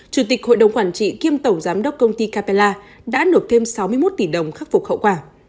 chủ tịch hội đồng quản trị kiêm tổng giám đốc công ty capella đã nộp thêm sáu mươi một tỷ đồng khắc phục hậu quả